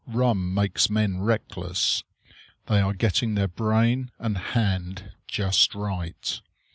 Rum makes men reckless. They are getting their brain and hand just right.